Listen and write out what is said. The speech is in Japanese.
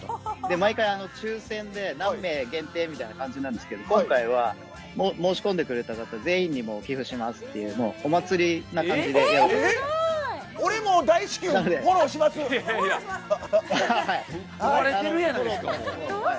毎回抽せんで何名限定みたいな感じなんですけど、今回は、申し込んでくれた方、全員にもう寄付しますっていう、お祭りな感じでやろうと思ってまえっ、すごい！